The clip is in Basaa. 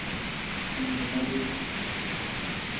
Ñgii malép.